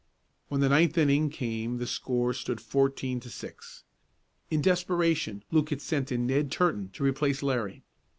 When the ninth inning came the score stood fourteen to six. In desperation, Luke had sent in Ned Turton to replace Larry.